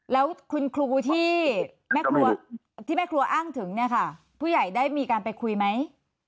แล้วคุณครูที่แม่ครัวที่แม่ครัวอ้างถึงเนี่ยค่ะผู้ใหญ่ได้มีการไปคุยไหม